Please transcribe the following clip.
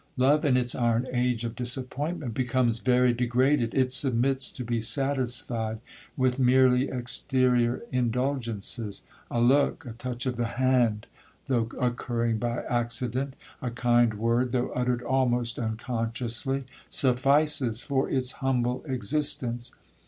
Love in its iron age of disappointment, becomes very degraded—it submits to be satisfied with merely exterior indulgences—a look, a touch of the hand, though occurring by accident—a kind word, though uttered almost unconsciously, suffices for its humble existence.